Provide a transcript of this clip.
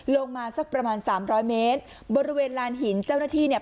ลงมาสักประมาณสามร้อยเมตรบริเวณลานหินเจ้าหน้าที่เนี่ย